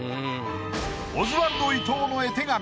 オズワルド伊藤の絵手紙